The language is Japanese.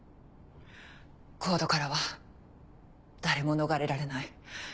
ＣＯＤＥからは誰も逃れられない。